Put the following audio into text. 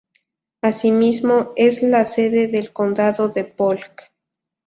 Asimismo es la sede del condado de Polk.